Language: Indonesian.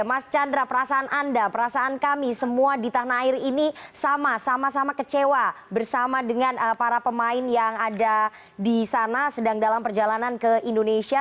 mas chandra perasaan anda perasaan kami semua di tanah air ini sama sama kecewa bersama dengan para pemain yang ada di sana sedang dalam perjalanan ke indonesia